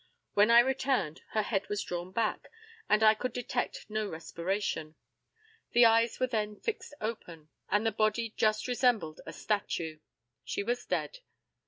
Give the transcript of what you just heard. When I returned her head was drawn back, and I could detect no respiration; the eyes were then fixed open, and the body just resembled a statue; she was dead.